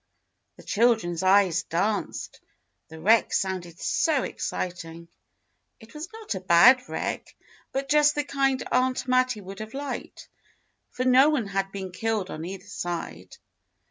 The children's eyes danced; the wreck sounded so exciting. It was not a bad wreck, but just the kind Aunt Mattie would have liked, for no one had been killed on either side.